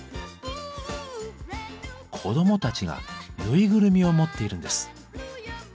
子どもたちがぬいぐるみを持っているんです。